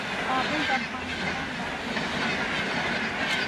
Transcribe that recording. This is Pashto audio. کابل د افغانستان د اقلیم ځانګړتیا ده.